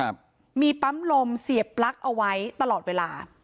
ที่มีปั๊มลมเสียบปลั๊กเอาไว้เวลา